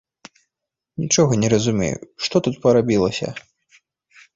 Нічога не разумею, што тут парабілася?